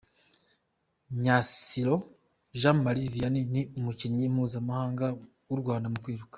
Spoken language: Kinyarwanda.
Myasiro Jean Marie Vianney ni umukinnyi mpuzamahanga w’u Rwanda mu kwiruka.